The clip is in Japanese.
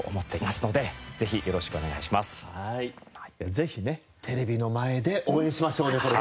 ぜひねテレビの前で応援しましょうねそれぞれ。